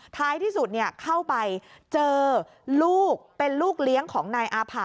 ท้ายที่สุดเข้าไปเจอลูกเป็นลูกเลี้ยงของนายอาผะ